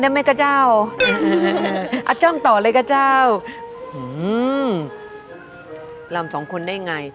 ไหมคะเจ้าอาจ้องต่อเลยกะเจ้าลำสองคนได้ไง